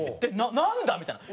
なんだ？みたいな。